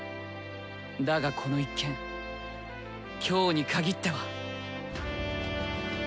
だがこの一件今日に限っては。